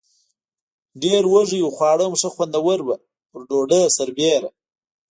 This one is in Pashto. ډېر وږي و، خواړه هم ښه خوندور و، پر ډوډۍ سربېره.